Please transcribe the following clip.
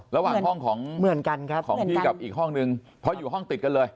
ระหว่างห้องของพี่กับอีกห้องหนึ่งเพราะอยู่ห้องติดกันเลย